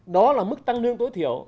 đó là mức tăng lương tối thiểu